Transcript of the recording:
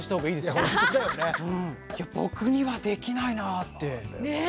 僕にはできないなぁって。ね！